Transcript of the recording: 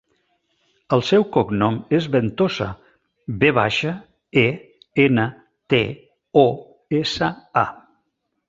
El seu cognom és Ventosa: ve baixa, e, ena, te, o, essa, a.